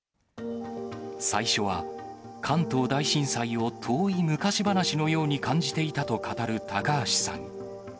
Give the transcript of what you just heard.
最初は、関東大震災を遠い昔話のように感じていたと語る高橋さん。